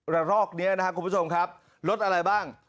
รอกนี้นะครับคุณผู้ชมครับรถอะไรบ้าง